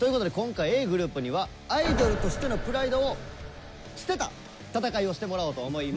ｇｒｏｕｐにはアイドルとしてのプライドを捨てた戦いをしてもらおうと思います。